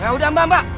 yaudah mbak mbak